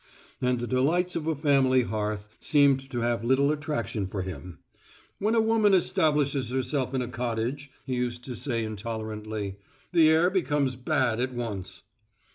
And the delights of a family hearth seemed to have little attraction for him. "When a woman establishes herself in a cottage," he used to say intolerantly, "the air becomes bad at once."